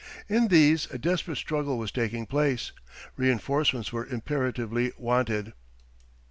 In these a desperate struggle was taking place. Reinforcements were imperatively wanted.